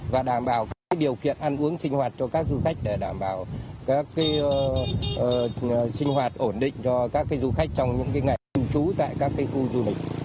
và đảm bảo cái điều kiện ăn uống sinh hoạt cho các du khách để đảm bảo các cái sinh hoạt ổn định cho các cái du khách trong những cái ngày hình trú tại các cái khu du lịch